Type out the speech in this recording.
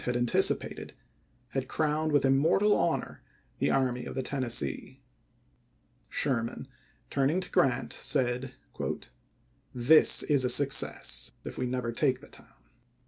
281. had anticipated, had crowned with immortal honor the Army of the Tennessee. Sherman, turning to Grant, said :" This is a success, if we never take the town."